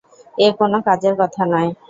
এ কোনো কাজের কথা নয়।